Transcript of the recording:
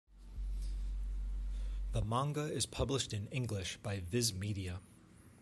The manga is published in English by Viz Media.